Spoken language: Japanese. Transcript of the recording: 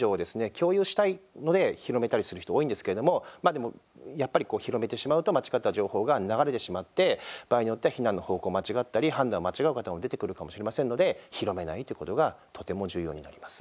共有したいので広めたりする人多いんですけども、でもやっぱり広めてしまうと間違った情報が流れてしまって、場合によっては避難の方向を間違ったり判断を間違う方も出てくるかもしれませんので広めないってことがとても重要になります。